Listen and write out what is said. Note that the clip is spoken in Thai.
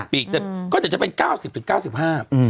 ปีกเนี่ยก็เดี๋ยวจะเป็น๙๐๙๕ส่วน